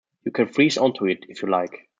You can freeze on to it, if you like.